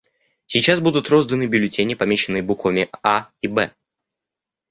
Сейчас будут розданы бюллетени, помеченные буквами «А» и «В».